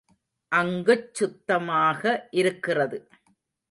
அங்குச் சுத்தமாக இருக்கிறது.